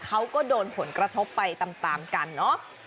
เขาก็โดนผลกระทบไปตามกันเนอะ